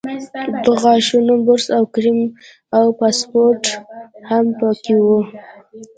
د غاښونو برس او کریم او پاسپورټ هم په کې وو.